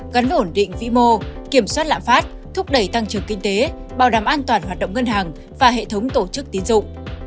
gắn với ổn định vĩ mô kiểm soát lạm phát thúc đẩy tăng trưởng kinh tế bảo đảm an toàn hoạt động ngân hàng và hệ thống tổ chức tín dụng